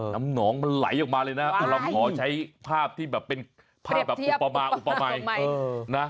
น้ำหนองมันไหลออกมาเลยนะเราขอใช้ภาพที่แบบเป็นภาพแบบอุปมาอุปมัยนะ